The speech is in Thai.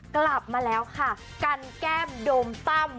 กลับมาแล้วค่ะกันแก้มโดมตั้ม